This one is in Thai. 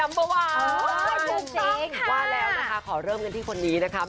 เมื่อวานว่าแล้วนะคะขอเริ่มกันที่คนนี้นะคะ